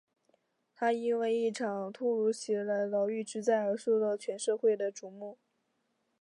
他因为一场突如其来的牢狱之灾而受到全社会的瞩目。